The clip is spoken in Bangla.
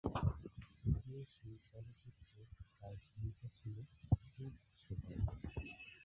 যদিও সেই চলচ্চিত্রে তার ভূমিকা ছিল খুবই ছোট।